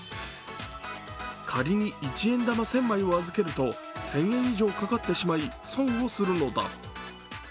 仮に一円玉１０００枚を預けると１０００円以上かかってしまい損をするのだ。